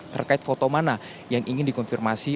terkait foto mana yang ingin dikonfirmasi